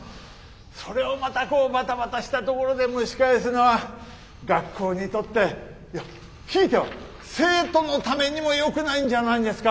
それをまたこうバタバタしたところで蒸し返すのは学校にとっていやひいては生徒のためにもよくないんじゃないんですか？